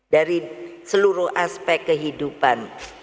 dari seluruh aspek kehidupan